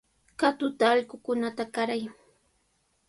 Katuta allqukunata qaray.